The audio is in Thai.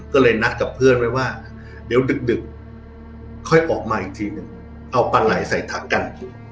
ก็เลยนัดกับเพื่อนไว้ว่าเดี๋ยวดึกค่อยออกมาอีกทีหนึ่งเอาปลาไหล่ใส่ทักกัน